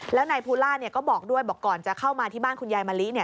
แล้วนายภูล่าก็บอกด้วยบอกก่อนจะเข้ามาที่บ้านคุณยายมะลิ